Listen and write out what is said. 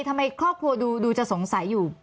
ทำไมครอบครัวดูจะสงสัยอยู่